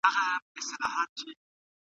منظم خلګ هره ورځ د خپلو چارو لست جوړوي.